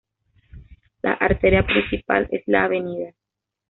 La arteria principal es la Av.